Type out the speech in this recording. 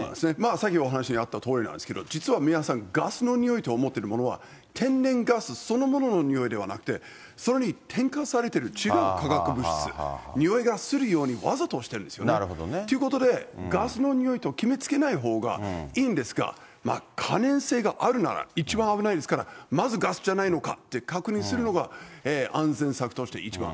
さっきの話にあったとおりなんですけど、実は皆さん、ガスの臭いと思ってるものは、天然ガスそのものの臭いではなくて、それにてんかされてる違う化学物質、臭いがするようにわざとしてるんですよね。ということで、ガスの臭いと決めつけないほうがいいんですが、可燃性があるなら、一番危ないですから、まずガスじゃないのかって確認するのが安全策として一番。